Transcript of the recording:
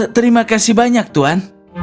terima kasih banyak tuan